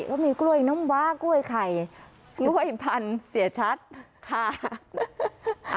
ก็มีกล้วยน้ำว้ากล้วยไข่กล้วยพันธุ์เสียชัดค่ะ